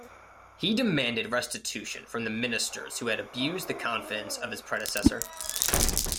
He demanded restitution from the ministers who had abused the confidence of his predecessor.